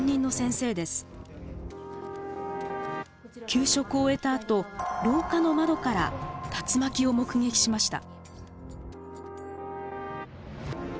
給食を終えたあと廊下の窓から竜巻を目撃しました。